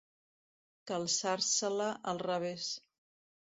Calçar-se-la al revés.